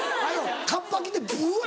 カッパ着てぶわ！